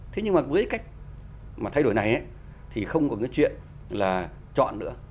thế nhưng mà với cách mà thay đổi này thì không có cái chuyện là chọn nữa